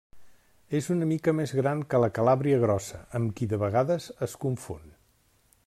És una mica més gran que la calàbria grossa, amb qui de vegades es confon.